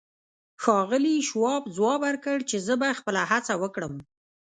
ښاغلي شواب ځواب ورکړ چې زه به خپله هڅه وکړم.